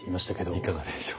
いかがでしょう。